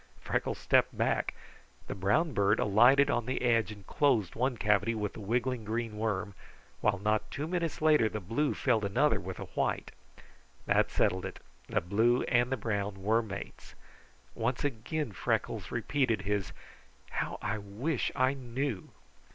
Freckles stepped back. The brown bird alighted on the edge and closed one cavity with a wiggling green worm, while not two minutes later the blue filled another with a white. That settled it. The blue and brown were mates. Once again Freckles repeated his "How I wish I knew!"